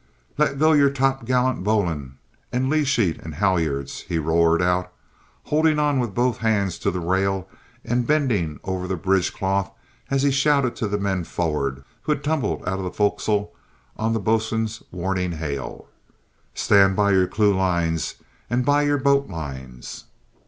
"Let go your topgallant bowline, and lee sheet and halliards," he roared out, holding on with both hands to the rail and bending over the bridge cloth as he shouted to the men forward who had tumbled out of the forecastle on the boatswain's warning hail. "Stand by your clewlines and by your boat lines!"